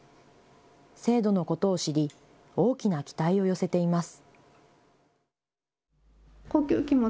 制度のことを知り大きな期待を寄せています。